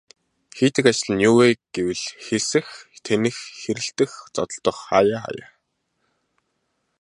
Хийдэг ажил нь юу вэ гэвэл хэсэх, тэнэх хэрэлдэх, зодолдох хааяа хааяа.